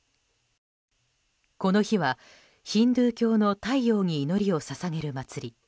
この日は、ヒンドゥー教の太陽に祈りを捧げる祭り